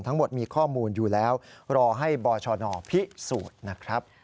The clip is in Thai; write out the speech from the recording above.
ทั้งหมดมีข้อมูลอยู่แล้วรอให้บชนพิสูจน์นะครับ